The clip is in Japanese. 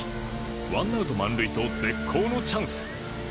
ワンアウト満塁と絶好のチャンス。